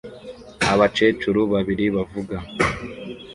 Abakecuru babiri bavuga